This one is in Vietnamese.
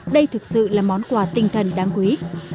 đây thực sự là món quà tinh thần đáng quý